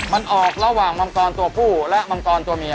มันออกระหว่างมังกรตัวผู้และมังกรตัวเมีย